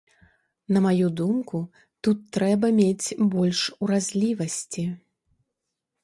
На маю думку, тут трэба мець больш уразлівасці.